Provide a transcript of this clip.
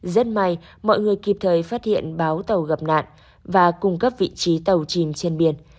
rất may mọi người kịp thời phát hiện báo tàu gặp nạn và cung cấp vị trí tàu chìm trên biển